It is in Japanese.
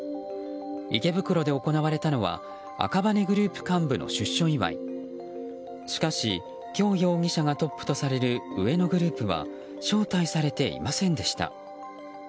池袋で行われたのは赤羽グループ幹部の出所祝いしかし、キョウ容疑者がトップとされる上野グループは招待されていませんでした。